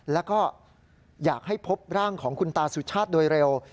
แล้วก็อยากให้พบร่างของคุณตาสุชาติโดยเร็ว